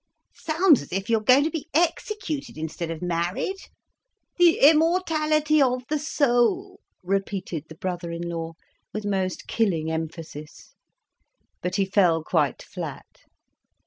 "Sounds as if you were going to be executed instead of married. The immortality of the soul!" repeated the brother in law, with most killing emphasis. But he fell quite flat.